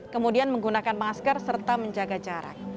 kemudian menggunakan masker serta menjaga jarak